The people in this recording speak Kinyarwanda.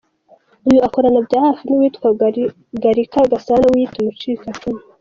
Uyu akorana byahafi n’uwitwa Gallican Gasana wiyita umucikacumu.